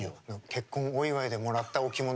結婚お祝いでもらった置物